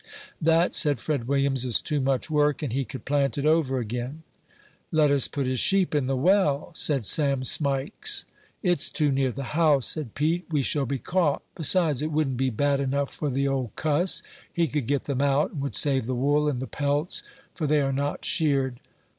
"That," said Fred Williams, "is too much work, and he could plant it over again." "Let us put his sheep in the well," said Sam Smikes. "It's too near the house," said Pete; "we shall be caught; besides, it wouldn't be bad enough for the 'old cuss;' he could get them out, and would save the wool and the pelts, for they are not sheared.